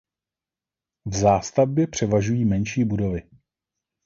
V zástavbě převažují menší budovy.